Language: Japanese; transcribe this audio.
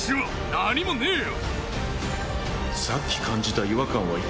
何もねえよ！